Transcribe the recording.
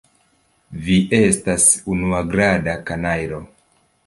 Vi estas unuagrada kanajlo.